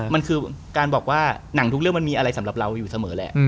มันคือการบอกว่าหนังทุกเรื่องมันมีอะไรสำหรับเราอยู่เสมอแหละ